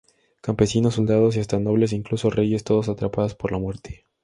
Campesinos, soldados y hasta nobles e incluso reyes, todos atrapados por la Muerte.